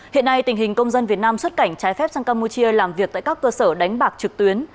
hiện nay tình hình công dân việt nam xuất cảnh trái phép sang campuchia làm việc tại các cơ sở đánh bạc trực tuyến